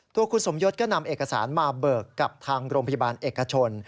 ตัวคุณสมยศก็นำเอกสารมาเบิกกับทางโรงพยาบาลเอกชน